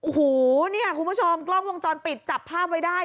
โอ้โหเนี่ยคุณผู้ชมกล้องวงจรปิดจับภาพไว้ได้